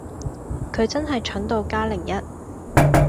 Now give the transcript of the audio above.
佢真係蠢到加零一